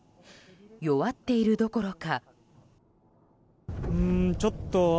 弱っているどころか。